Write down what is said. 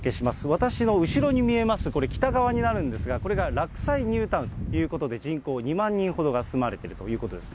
私の後ろに見えます、これ、北側になるんですが、これが洛西ニュータウンということで、人口２万人ほどが住まれてるということです。